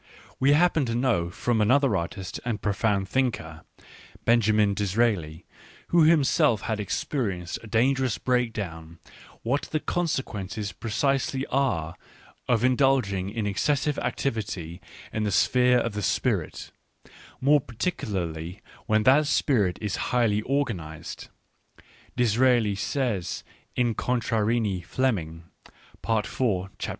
We happen to know from another artist and profound thinker, Benjamin Disraeli, who himself had experienced a dangerous breakdown, what the consequences pre cisely are of indulging in excessive activity in the sphere of the spirit, more particularly when that spirit is highly organised. Disraeli says in Contarini Flem ing (Part iv. chap, v.)